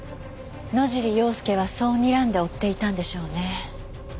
野尻要介はそうにらんで追っていたんでしょうね。